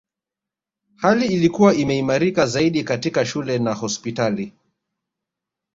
Hali ilikuwa imeimarika zaidi katika shule na hospitali